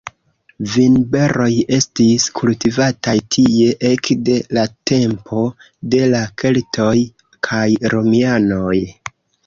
Vinberoj estis kultivataj tie ekde la tempo de la keltoj kaj Romianoj.